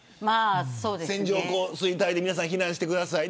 線状降水帯で皆さん避難してください。